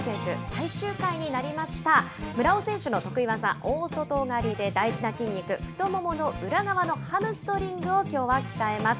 最終回になりました、村尾選手の得意技、大外刈りで大事な筋肉、太ももの裏側のハムストリングをきょうは鍛えます。